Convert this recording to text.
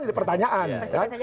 ada pertanyaan kan